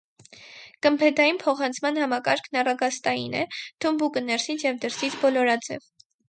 Գմբեթային փոխանցման համակարգն առագաստային է, թմբուկը ներսից և դրսից բոլորաձև։